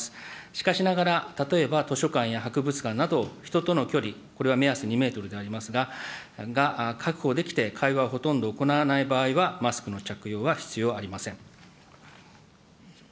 しかしながら、例えば図書館や博物館など、人との距離、これは目安２メートルでありますが、が確保できて、会話はほとんど行わない場合は、マスクの着用は必要ありません。